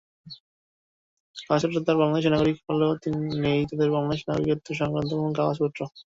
কাগজপত্রে তারা বাংলাদেশের নাগরিক হলেও নেই তাদের বাংলাদেশের নাগরিকত্ব-সংক্রান্ত কোনো কাগজপত্র।